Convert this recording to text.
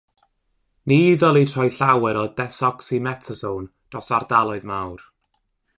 Ni ddylid rhoi llawer o desoximetasone dros ardaloedd mawr.